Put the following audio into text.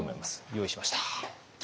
用意しました。